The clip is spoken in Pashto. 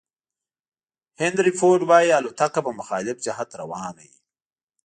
هینري فورد وایي الوتکه په مخالف جهت روانه وي.